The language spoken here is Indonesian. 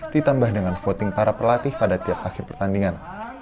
ditambah dengan voting para pelatih pada tiap akhir pertandingan